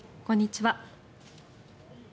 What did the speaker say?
こんにちは。